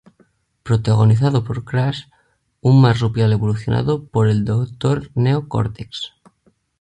Protagonizado por Crash, un marsupial evolucionado por el Doctor Neo Cortex.